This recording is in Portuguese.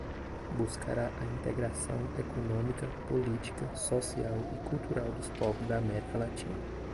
buscará a integração econômica, política, social e cultural dos povos da América Latina